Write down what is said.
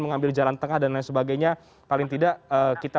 mengambil jalan tengah dan lain sebagainya paling tidak kita